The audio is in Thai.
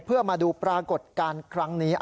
เพื่อมาดูปรากฏการณ์ครั้งนี้